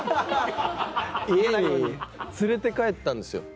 家に連れて帰ったんですよ。